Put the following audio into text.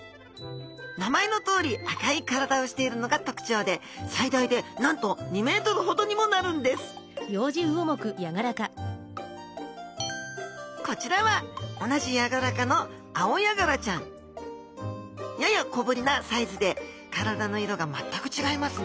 名前のとおり赤い体をしているのが特徴で最大でなんと２ｍほどにもなるんですこちらは同じヤガラ科のアオヤガラちゃん。やや小ぶりなサイズで体の色が全く違いますね